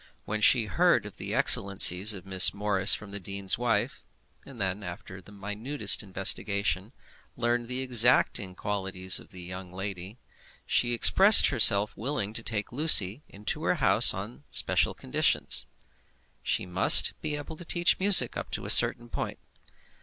When she heard of the excellencies of Miss Morris from the dean's wife, and then, after minutest investigation, learned the exact qualities of the young lady, she expressed herself willing to take Lucy into her house on special conditions. She must be able to teach music up to a certain point.